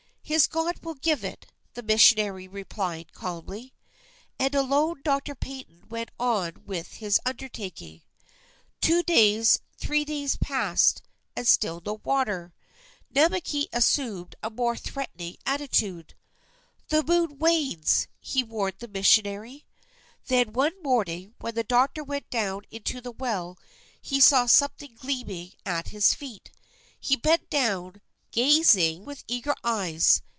"His God will give it," the missionary replied, calmly. And alone Doctor Paton went on with his undertaking. Two days, three days, passed, and still no water. Namakei assumed a more threatening attitude. "The moon wanes!" he warned the missionary. And then one morning when the doctor went down into the well he saw something gleaming at his feet. He bent down, gazing with eager eyes.